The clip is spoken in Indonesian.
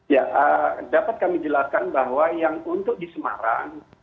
ya dapat kami jelaskan bahwa yang untuk di semarang